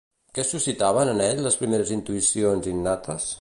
Què suscitaven en ell les primeres intuïcions innates?